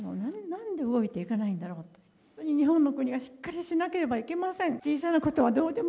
なんで動いていかないんだろうと、日本の国がしっかりしなければいけません。